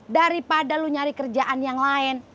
daripada lu nyari kerjaan yang lain